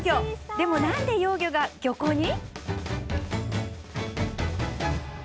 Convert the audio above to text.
でも何で幼魚が漁港に？